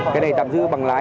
cái này tạm giữ bằng lái